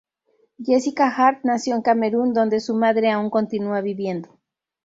Jessica Hart nació en Camerún, donde su madre aún continúa viviendo.